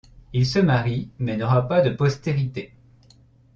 Il se marie, mais n'aura pas de postérité.